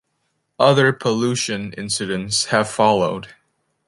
Other pollution incidents have followed.